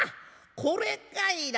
これかいな。